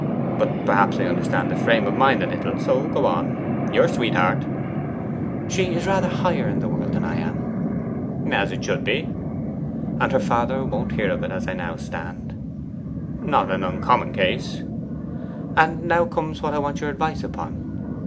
But perhaps I understand the frame of mind a little, so go on. Your sweetheart ' 'She is rather higher in the world than I am.' 'As it should be.' 'And her father won't hear of it, as I now stand.' 'Not an uncommon case.' 'And now comes what I want your advice upon.